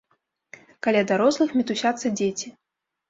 Каля дарослых мітусяцца дзеці.